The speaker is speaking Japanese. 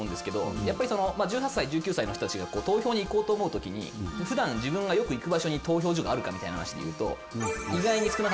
やっぱり１８歳１９歳の人たちが投票に行こうと思うときに普段自分がよく行く場所に投票所があるかみたいな話で言うと意外に少なかったりするじゃないですか。